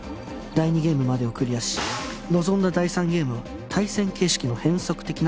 第２ゲームまでをクリアし臨んだ第３ゲームは対戦形式の変則的なかくれんぼ